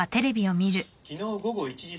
昨日午後１時すぎ